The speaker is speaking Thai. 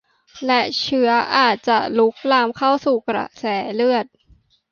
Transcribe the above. และเชื้ออาจจะลุกลามเข้าสู่กระแสเลือด